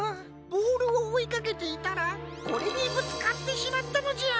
ボールをおいかけていたらこれにぶつかってしまったのじゃ。